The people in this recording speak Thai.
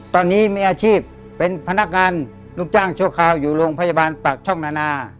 ตอนนี้มีอาชีพเป็นพนักงานลูกจ้างชั่วคราวอยู่โรงพยาบาลปากช่องนานา